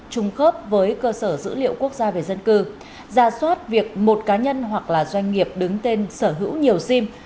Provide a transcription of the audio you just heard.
trung khớp với cơ sở dữ liệu quốc gia về dân cư ra soát việc một cá nhân hoặc là doanh nghiệp đứng tên sở hữu nhiều sim